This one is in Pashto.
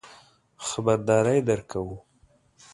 خبرداری درکوو.